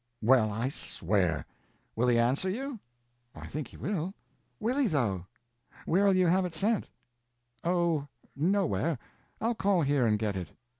"Well, I swear! Will he answer you?" "I think he will." "Will he though? Where'll you have it sent?" "Oh, nowhere. I'll call here and get it.